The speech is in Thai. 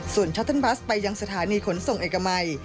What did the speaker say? ส่วนชัตเติบัสไปยังสถานีขนส่งเอกมัย